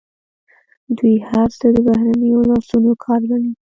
دوی هر څه د بهرنیو لاسونو کار ګڼي.